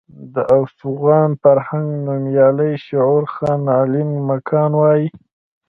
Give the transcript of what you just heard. د افغان فرهنګ نومیالی شعور خان علين مکان وايي.